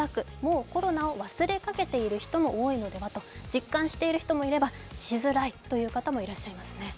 実感している人もいれば、しづらいという人もいますね。